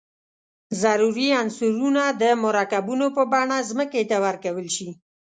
ضروري عنصرونه د مرکبونو په بڼه ځمکې ته ورکول شي.